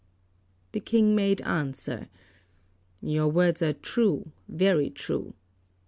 The King made answer, "Your words are true, very true.